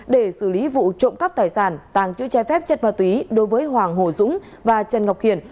để xử lý vụ trộm cắp tài sản tàng chữ che phép chất và túy đối với hoàng hồ dũng và trần ngọc hiền